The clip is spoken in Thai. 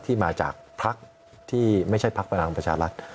ที่มาจากพักที่ไม่ใช่พักพลังประชารัฐ